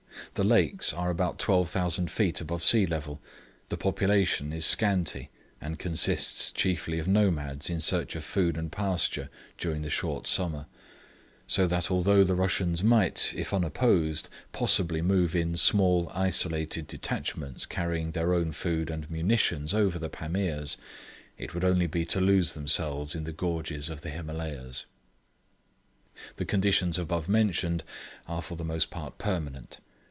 The lakes are about 12,000 feet above the sea, the population is scanty, and consists chiefly of nomads in search of food and pasture during the short summer; so that although the Russians might, if unopposed, possibly move in small isolated detachments carrying their own food and munitions over the Pamirs, it would only be to lose themselves in the gorges of the Himalayas. The conditions above mentioned are for the most part permanent.